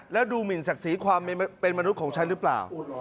แล้วดูหมินศักดิ์ศรีความเป็นมนุษย์ของฉันหรือเปล่า